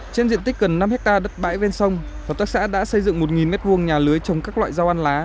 trên diện tích gần năm hectare đất bãi ven sông hợp tác xã đã xây dựng một m hai nhà lưới trồng các loại rau ăn lá